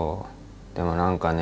でも何かね